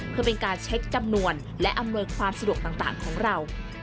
เพื่อเป็นการเช็คจำนวนและอำนวยความสะดวกต่างของเรา